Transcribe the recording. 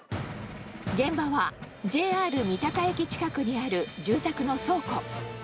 現場は、ＪＲ三鷹駅近くにある住宅の倉庫。